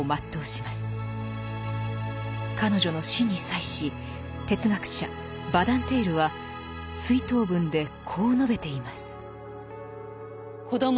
彼女の死に際し哲学者バダンテールは追悼文でこう述べています。